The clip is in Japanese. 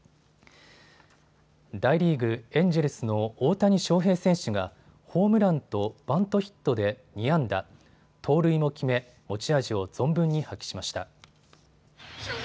大リーグ、エンジェルスの大谷翔平選手がホームランとバントヒットで２安打、盗塁も決め持ち味を存分に発揮ました。